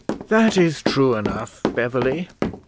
"That is true enough, Beverly.